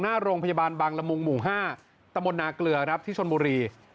หน้าโรงพยาบาลบังระมุงหมู่๕ตมนาเกลือที่ชนบุรี